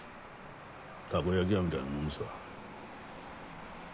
たこ焼き屋みたいなもんですわ。